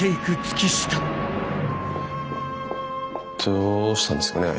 どうしたんですかね？